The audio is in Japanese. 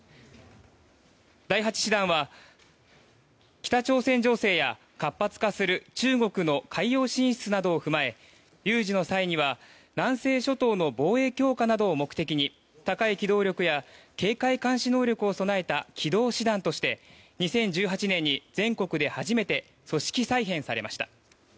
第８師団は北朝鮮情勢や活発化する中国の海洋進出などを踏まえ有事の際には南西諸島の防衛強化などを目的に高い機動力や警戒監視能力を備えた機動師団として２０１８年に全国で初めて組織再編されました。